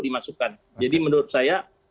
dimasukkan jadi menurut saya